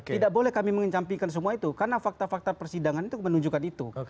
tidak boleh kami mengecampingkan semua itu karena fakta fakta persidangan itu menunjukkan itu